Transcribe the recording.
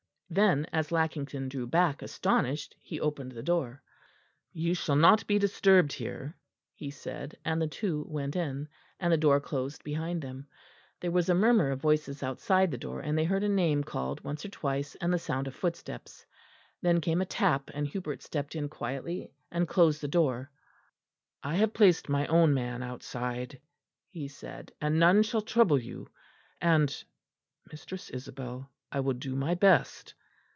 Then, as Lackington drew back astonished, he opened the door. "You shall not be disturbed here," he said, and the two went in, and the door closed behind them. There was a murmur of voices outside the door, and they heard a name called once or twice, and the sound of footsteps. Then came a tap, and Hubert stepped in quietly and closed the door. "I have placed my own man outside," he said, "and none shall trouble you and Mistress Isabel I will do my best."